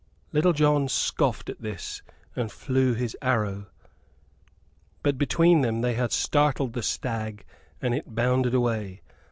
Little John scoffed at this, and flew his arrow; but between them they had startled the stag and it bounded away.